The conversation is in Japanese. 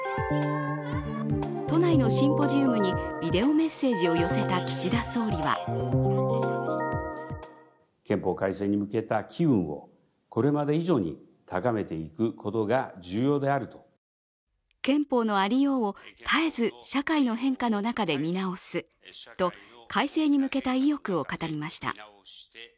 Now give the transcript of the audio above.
都内のシンポジウムにビデオメッセージを寄せた岸田総理は憲法のありようを絶えず社会の変化の中で見直すと、改正に向けた意欲を語りました。